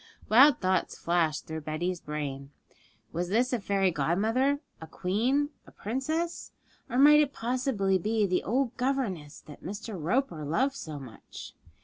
Wild thoughts flashed through Betty's brain. Was this a fairy godmother, a queen, a princess? Or might it possibly be the old governess that Mr. Roper loved so much?